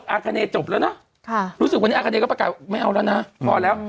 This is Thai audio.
อาคาเนจบแล้วนะรู้สึกวันนี้อาคาเดยก็ประกาศไม่เอาแล้วนะพอแล้ว